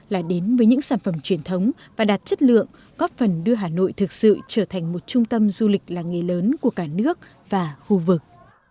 là đến với những sản phẩm truyền thống và đạt chất lượng góp phần đưa hà nội thực sự trở thành một trung tâm du lịch làng nghề lớn của cả nước và khu vực